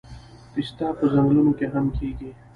پسته په ځنګلونو کې هم کیږي